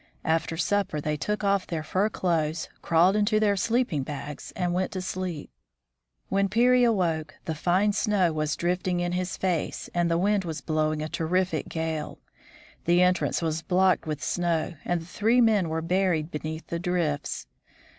After supper they took off their fur clothes, crawled into their sleeping bags, and went to sleep. When Peary awoke, the fine snow was drifting in his face, and the wind was blow ing a terrific gale. The entrance was blocked with snow, and the three men were buried beneath the drifts.